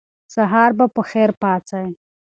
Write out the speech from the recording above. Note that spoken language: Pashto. سهار به په خیر پاڅئ.